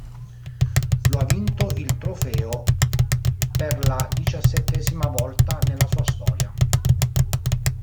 Lo ha vinto il trofeo per la diciassettesima volta nella sua storia.